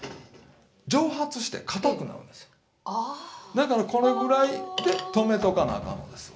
だからこれぐらいで止めとかなあかんのですわ。